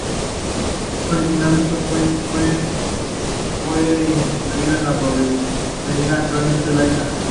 Originalmente fue una institución presbiteriana, actualmente laica.